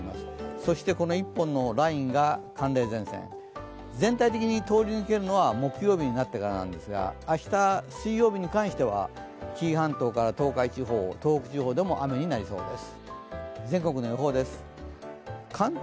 そしてこの一本のラインが寒冷前線、全体的に通り抜けるのは木曜日になってからなんですが明日、水曜日に関しては紀伊半島から東海地方、東北地方でも雨になりそうです。